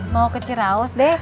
mau ke ciraus deh